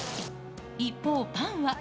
一方、パンは。